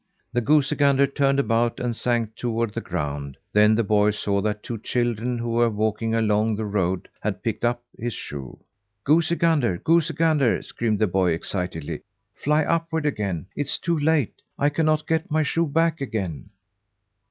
The goosey gander turned about and sank toward the ground; then the boy saw that two children, who were walking along the road, had picked up his shoe. "Goosey gander, goosey gander," screamed the boy excitedly, "fly upward again! It is too late. I cannot get my shoe back again."